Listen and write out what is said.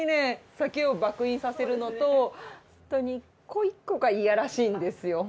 酒を爆飲させるのとホントに１個１個がいやらしいんですよ。